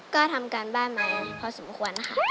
ก็ทำการบ้านมาพอสมควรค่ะ